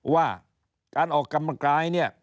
ว่าการออกกรรมกราย